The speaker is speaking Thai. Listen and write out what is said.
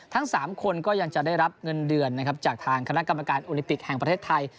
ทั้ง๓คนก็ยังจะได้รับเงินเดือนนะครับจากทางคณะกรรมการโอลิมปิกแห่งประเทศไทย